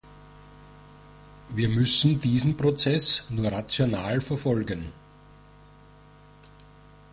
Wir müssen diesen Prozess nur rational verfolgen.